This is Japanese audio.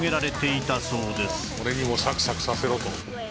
俺にもサクサクさせろと。